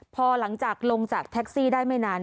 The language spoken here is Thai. พอหลังจากลงจากแท็กซี่ได้ไม่นาน